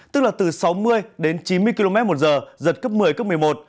tức là từ sáu mươi đến chín mươi km một giờ giật cấp một mươi cấp một mươi một